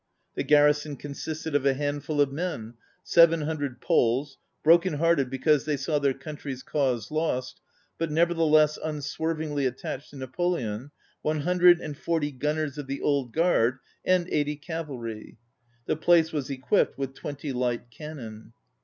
The garrison consisted of a handful of men, ŌĆö seven hundred Poles, broken hearted because they saw their country's cause lost, but nevertheless unswervingly attached to Napoleon, one hundred and forty gunners of the Old Guard, and eighty cavalry. The place was equipped with twenty light cannon.